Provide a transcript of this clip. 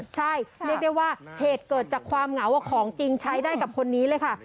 ใช่เรียกได้ว่าเหตุเกิดจากความเหงาของจริงใช้ได้กับคนนี้เลยค่ะ